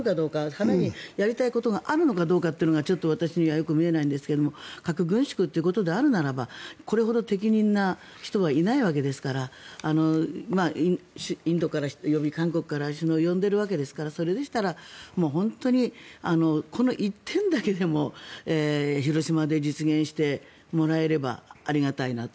腹にやりたいことがあるのかどうかってことがちょっと私にはよく見えないんですけども核軍縮ということであるならばこれほど適任な人はいないわけですからインドから、韓国から首脳を呼んでるわけですからそれでしたら本当にこの１点だけでも広島で実現してもらえればありがたいなと。